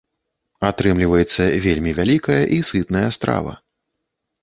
Атрымліваецца вельмі вялікая і сытная страва.